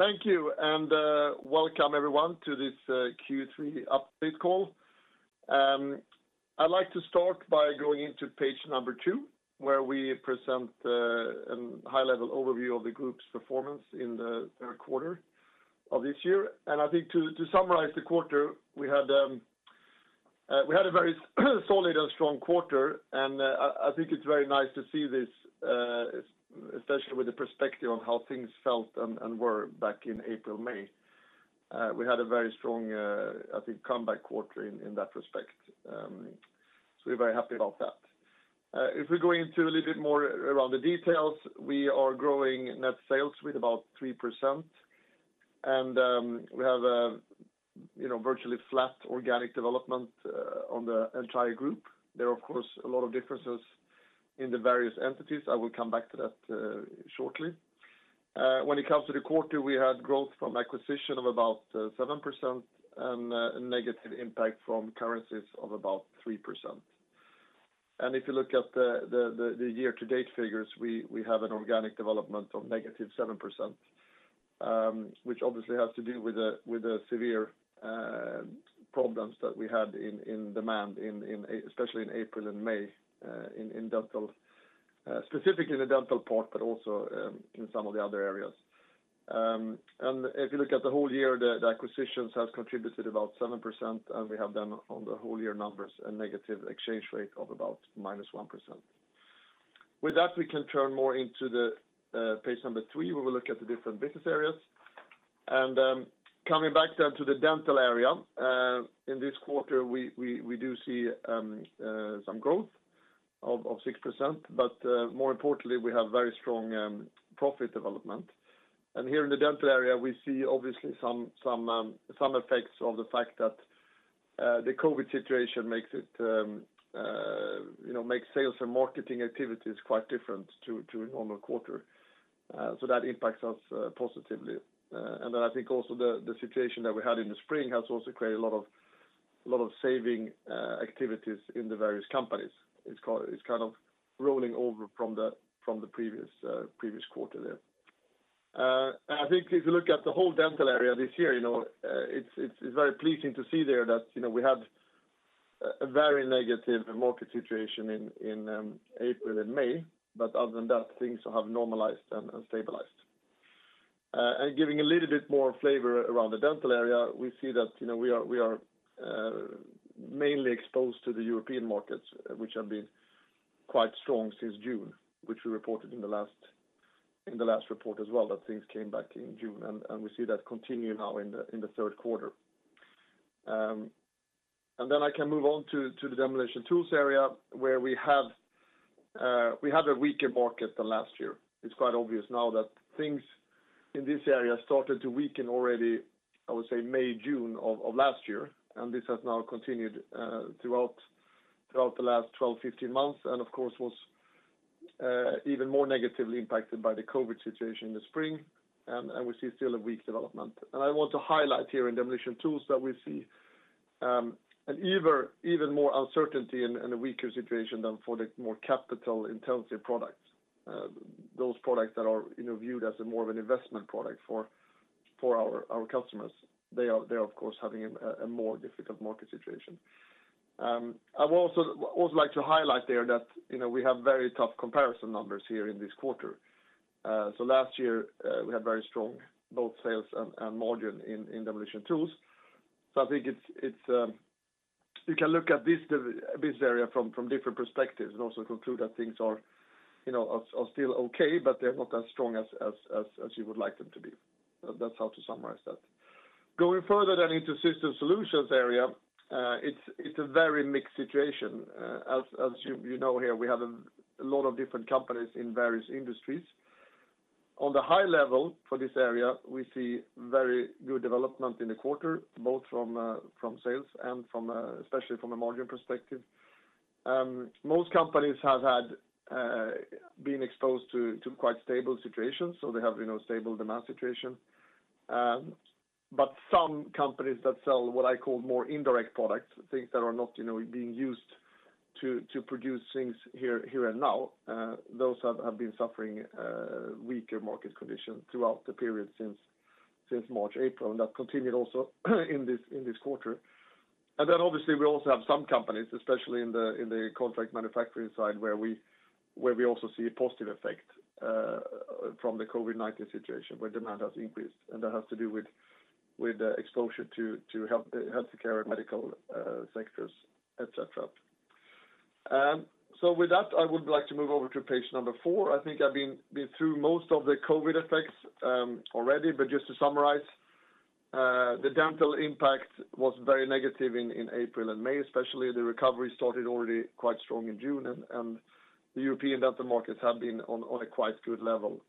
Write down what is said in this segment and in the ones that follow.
Thank you, and welcome, everyone, to this Q3 update call. I'd like to start by going into page number two, where we present a high-level overview of the group's performance in the third quarter of this year. I think to summarize the quarter, we had a very solid and strong quarter. I think it's very nice to see this, especially with the perspective of how things felt and were back in April, May. We had a very strong, I think, comeback quarter in that respect. We're very happy about that. If we go into a little bit more around the details, we are growing net sales with about 3%. We have virtually flat organic development on the entire group. There are, of course, a lot of differences in the various entities. I will come back to that shortly. When it comes to the quarter, we had growth from acquisition of about 7% and a negative impact from currencies of about 3%. If you look at the year-to-date figures, we have an organic development of negative 7%, which obviously has to do with the severe problems that we had in demand, especially in April and May, specifically in the Dental part, but also in some of the other areas. If you look at the whole year, the acquisitions have contributed about 7%, and we have them on the whole year numbers, a negative exchange rate of about -1%. With that, we can turn more into page number three, where we look at the different business areas. Coming back then to the Dental area. In this quarter, we do see some growth of 6%, but more importantly, we have very strong profit development. Here in the dental area, we see obviously some effects of the fact that the COVID situation makes sales and marketing activities quite different to a normal quarter. That impacts us positively. I think also the situation that we had in the spring has also created a lot of saving activities in the various companies. It's kind of rolling over from the previous quarter there. I think if you look at the whole dental area this year, it's very pleasing to see there that we had a very negative market situation in April and May. Other than that, things have normalized and stabilized. Giving a little bit more flavor around the dental area, we see that we are mainly exposed to the European markets, which have been quite strong since June, which we reported in the last report as well, that things came back in June, we see that continue now in the third quarter. I can move on to the Demolition & Tools area, where we had a weaker market than last year. It's quite obvious now that things in this area started to weaken already, I would say, May, June of last year, this has now continued throughout the last 12, 15 months, of course was even more negatively impacted by the COVID situation in the spring, we see still a weak development. I want to highlight here in Demolition & Tools that we see an even more uncertainty and a weaker situation than for the more capital-intensive products. Those products that are viewed as more of an investment product for our customers. They are, of course, having a more difficult market situation. I would also like to highlight there that we have very tough comparison numbers here in this quarter. Last year, we had very strong both sales and margin in Demolition & Tools. I think you can look at this area from different perspectives and also conclude that things are still okay, but they're not as strong as you would like them to be. That's how to summarize that. Going further then into Systems Solutions area, it's a very mixed situation. As you know here, we have a lot of different companies in various industries. On the high level for this area, we see very good development in the quarter, both from sales and especially from a margin perspective. Most companies have been exposed to quite stable situations. They have stable demand situation. Some companies that sell what I call more indirect products, things that are not being used to produce things here and now, those have been suffering weaker market conditions throughout the period since March, April, and that continued also in this quarter. Obviously, we also have some companies, especially in the contract manufacturing side, where we also see a positive effect from the COVID-19 situation where demand has increased, and that has to do with exposure to healthcare and medical sectors, et cetera. With that, I would like to move over to page number four. I think I've been through most of the COVID effects already, just to summarize, the dental impact was very negative in April and May, especially. The recovery started already quite strong in June, the European dental markets have been on a quite good level,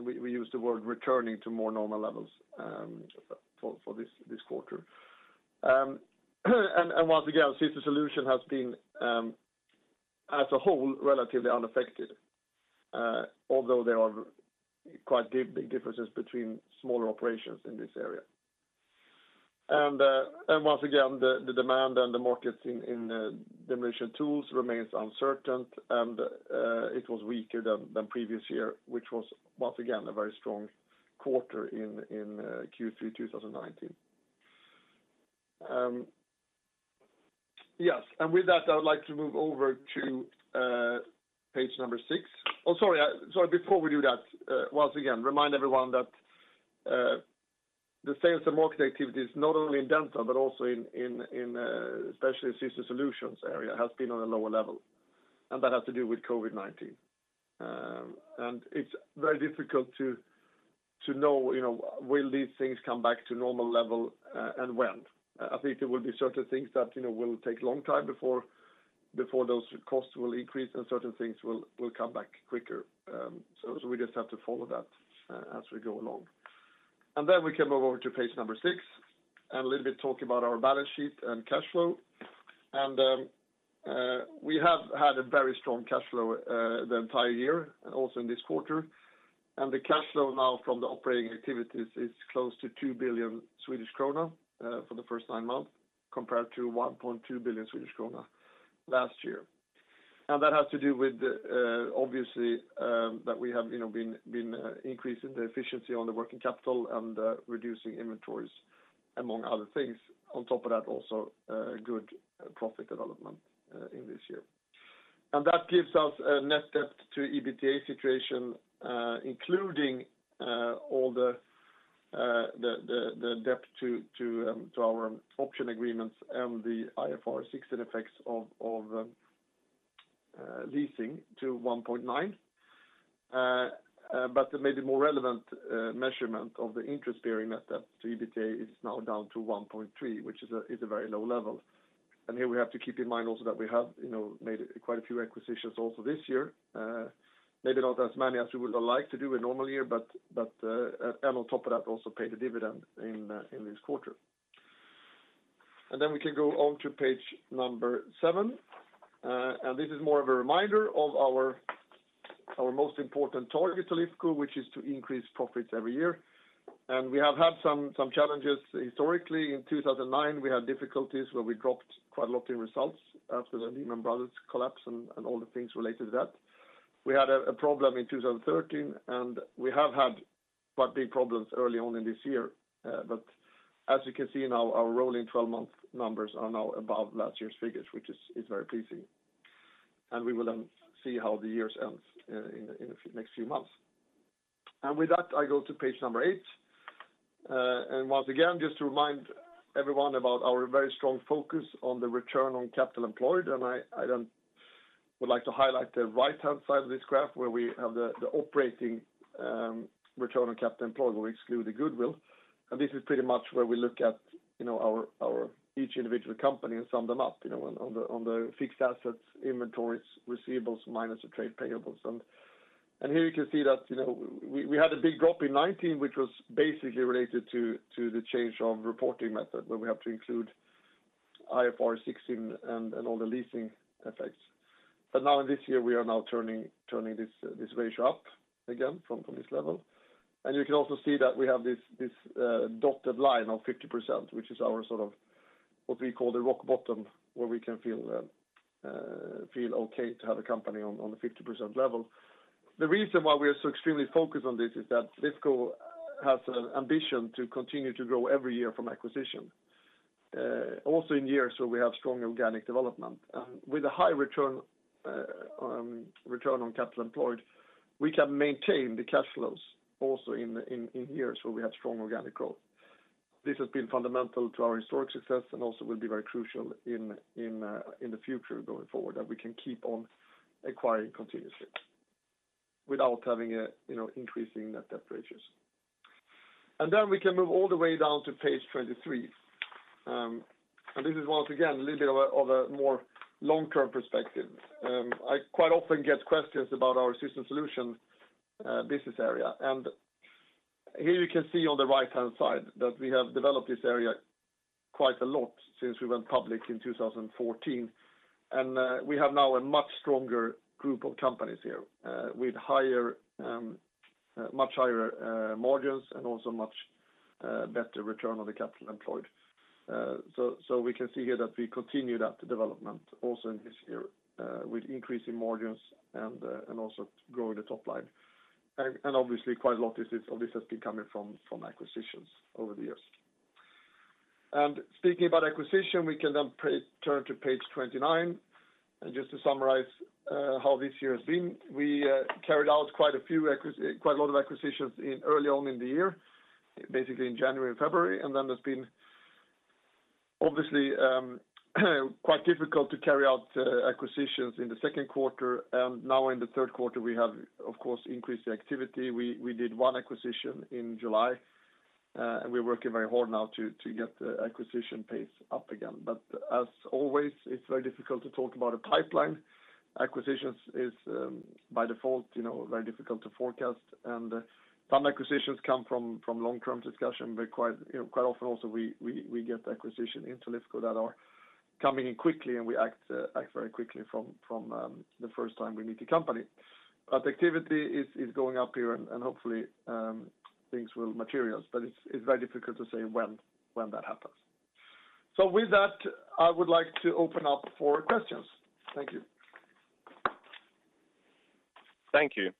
we use the word returning to more normal levels for this quarter. Once again, Systems Solutions has been, as a whole, relatively unaffected although there are quite big differences between smaller operations in this area. Once again, the demand and the markets in the Demolition & Tools remains uncertain, it was weaker than the previous year, which was once again, a very strong quarter in Q3 2019. Yes. With that, I would like to move over to page number six. Oh, sorry. Before we do that, once again, remind everyone that the sales and marketing activity is not only in dental, but also in especially assisted solutions area, has been on a lower level, and that has to do with COVID-19. It's very difficult to know, will these things come back to normal level, and when? I think there will be certain things that will take a long time before those costs will increase and certain things will come back quicker. We just have to follow that as we go along. Then we can move over to page number six, and a little bit talk about our balance sheet and cash flow. We have had a very strong cash flow, the entire year and also in this quarter. The cash flow now from the operating activities is close to 2 billion Swedish krona, for the first nine months compared to 1.2 billion Swedish krona last year. That has to do with, obviously, that we have been increasing the efficiency on the working capital and reducing inventories among other things. On top of that, also, good profit development in this year. That gives us a net debt to EBITDA situation, including all the debt to our option agreements and the IFRS 16 effects of leasing to 1.9. Maybe more relevant measurement of the interest bearing net debt to EBITDA is now down to 1.3, which is a very low level. Here we have to keep in mind also that we have made quite a few acquisitions also this year. Maybe not as many as we would have liked to do a normal year. On top of that, also paid a dividend in this quarter. Then we can go on to page number seven. This is more of a reminder of our most important target to Lifco, which is to increase profits every year. We have had some challenges historically. In 2009, we had difficulties where we dropped quite a lot in results after the Lehman Brothers collapse and all the things related to that. We had a problem in 2013, and we have had quite big problems early on in this year. As you can see now, our rolling 12-month numbers are now above last year's figures, which is very pleasing. We will then see how the years ends in the next few months. With that, I go to page number eight. Once again, just to remind everyone about our very strong focus on the return on capital employed. I would like to highlight the right-hand side of this graph where we have the operating return on capital employed where we exclude the goodwill. This is pretty much where we look at our each individual company and sum them up on the fixed assets, inventories, receivables, minus the trade payables. Here you can see that we had a big drop in 2019, which was basically related to the change of reporting method where we have to include IFRS 16 and all the leasing effects. Now in this year, we are now turning this ratio up again from this level. You can also see that we have this dotted line of 50%, which is our sort of what we call the rock bottom, where we can feel okay to have a company on the 50% level. The reason why we are so extremely focused on this is that Lifco has an ambition to continue to grow every year from acquisition, also in years where we have strong organic development. With a high return on capital employed, we can maintain the cash flows also in years where we have strong organic growth. This has been fundamental to our historic success and also will be very crucial in the future going forward, that we can keep on acquiring continuously without having increasing net debt ratios. Then we can move all the way down to page 23. This is once again, a little bit of a more long-term perspective. I quite often get questions about our Systems Solutions business area. Here you can see on the right-hand side that we have developed this area quite a lot since we went public in 2014. We have now a much stronger group of companies here, with much higher margins and also much better return on the capital employed. We can see here that we continue that development also in this year, with increasing margins and also growing the top line. Obviously quite a lot of this has been coming from acquisitions over the years. Speaking about acquisition, we can then turn to page 29. Just to summarize how this year has been. We carried out quite a lot of acquisitions early on in the year, basically in January and February, and then it's been obviously quite difficult to carry out acquisitions in the second quarter. Now in the third quarter, we have, of course, increased the activity. We did one acquisition in July, and we're working very hard now to get the acquisition pace up again. As always, it is very difficult to talk about a pipeline. Acquisitions is, by default, very difficult to forecast, and some acquisitions come from long-term discussion, but quite often also we get acquisition into Lifco that are coming in quickly, and we act very quickly from the first time we meet the company. The activity is going up here and hopefully things will materialize, but it is very difficult to say when that happens. With that, I would like to open up for questions. Thank you. Thank you.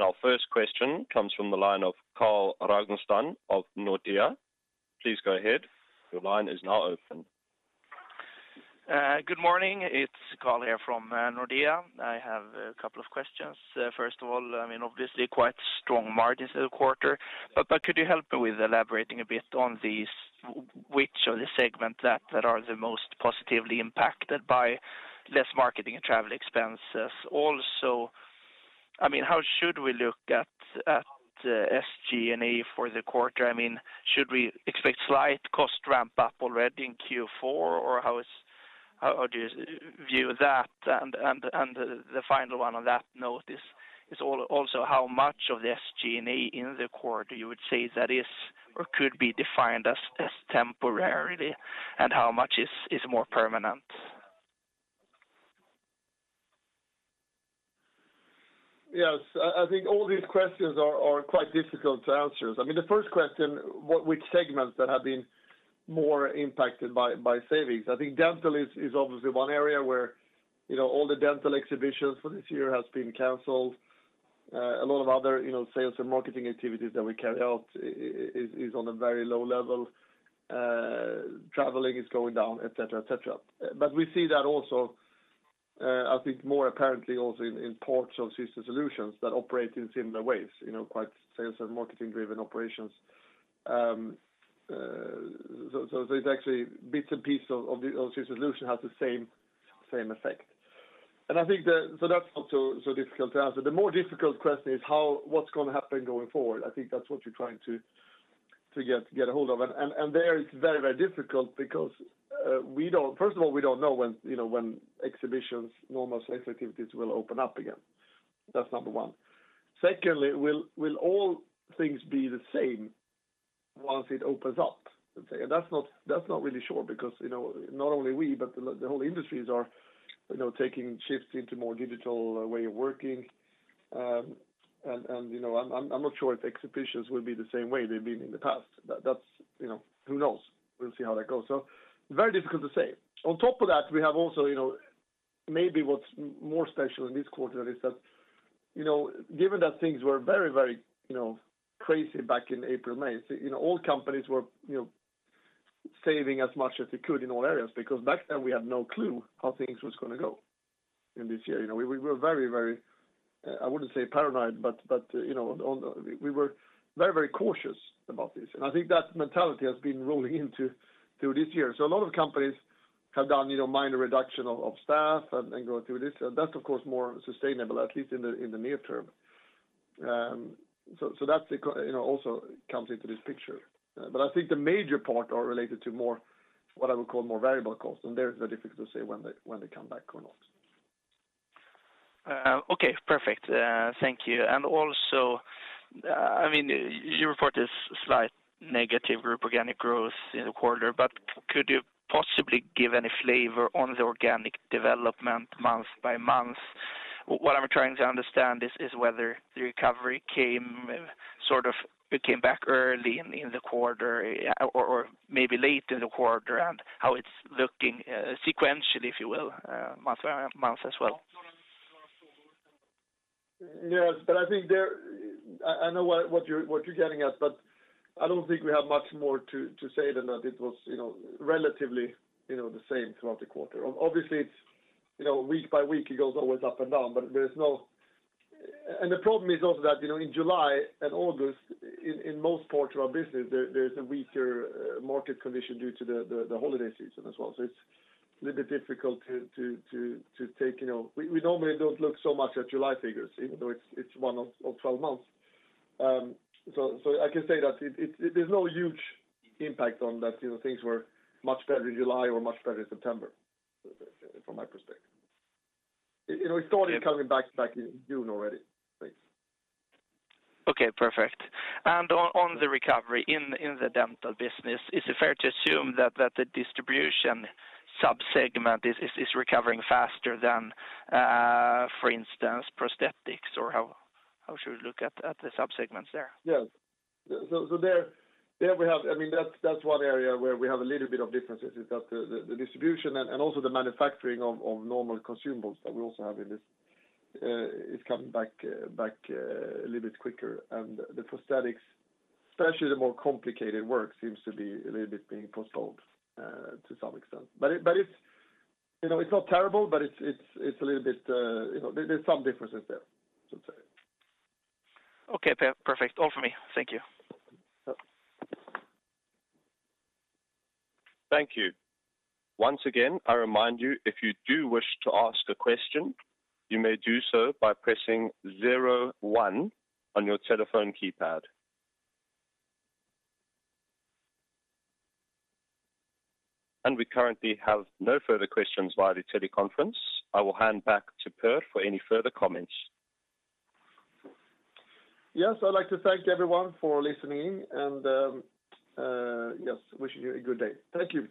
Our first question comes from the line of Carl Ragnerstam of Nordea. Please go ahead. Your line is now open. Good morning. It's Carl here from Nordea. I have a couple of questions. First of all, obviously quite strong margins this quarter, but could you help with elaborating a bit on these, which of the segment that are the most positively impacted by less marketing and travel expenses? How should we look at SG&A for the quarter? Should we expect slight cost ramp up already in Q4? How do you view that? The final one on that note is also how much of the SG&A in the quarter you would say that is or could be defined as temporarily, and how much is more permanent? Yes. I think all these questions are quite difficult to answer. The first question, which segments that have been more impacted by savings? I think Dental is obviously one area where all the Dental exhibitions for this year has been canceled. A lot of other sales and marketing activities that we carry out is on a very low level. Traveling is going down, et cetera. We see that also, I think more apparently also in parts of Systems Solutions that operate in similar ways, quite sales and marketing driven operations. It's actually bits and pieces of the solution has the same effect. That's not so difficult to answer. The more difficult question is what's going to happen going forward? I think that's what you're trying to get a hold of. There it's very difficult because, first of all, we don't know when exhibitions, normal sales activities will open up again. That's number 1. Secondly, will all things be the same once it opens up? That's not really sure because, not only we, but the whole industries are taking shifts into more digital way of working. I'm not sure if exhibitions will be the same way they've been in the past. Who knows? We'll see how that goes. Very difficult to say. On top of that, we have also maybe what's more special in this quarter is that, given that things were very crazy back in April, May, all companies were saving as much as they could in all areas, because back then we had no clue how things were going to go in this year. We were very, I wouldn't say paranoid, but we were very cautious about this, and I think that mentality has been rolling into this year. A lot of companies have done minor reduction of staff and going through this. That's of course more sustainable, at least in the near term. That also comes into this picture. I think the major part are related to more what I would call more variable costs, and there it's very difficult to say when they come back or not. Okay, perfect. Thank you. Also, you report this slight negative group organic growth in the quarter, but could you possibly give any flavor on the organic development month by month? What I'm trying to understand is whether the recovery came back early in the quarter or maybe late in the quarter and how it's looking sequentially, if you will, month by month as well. Yes. I know what you're getting at, I don't think we have much more to say than that it was relatively the same throughout the quarter. Obviously, week by week it goes always up and down. The problem is also that in July and August, in most parts of our business, there's a weaker market condition due to the holiday season as well. It's a little bit difficult to take. We normally don't look so much at July figures, even though it's one of 12 months. I can say that there's no huge impact on that things were much better in July or much better in September from my perspective. It started coming back in June already. Okay, perfect. On the recovery in the Dental business, is it fair to assume that the distribution subsegment is recovering faster than, for instance, prosthetics, or how should we look at the subsegments there? Yes. That's one area where we have a little bit of differences, is that the distribution and also the manufacturing of normal consumables that we also have in this, is coming back a little bit quicker. The prosthetics, especially the more complicated work, seems to be a little bit being postponed to some extent. It's not terrible, but there's some differences there. Okay, perfect. All from me. Thank you. Thank you. Once again, I remind you, if you do wish to ask a question, you may do so by pressing zero one on your telephone keypad. We currently have no further questions via the teleconference. I will hand back to Per for any further comments. Yes, I'd like to thank everyone for listening in and wishing you a good day. Thank you.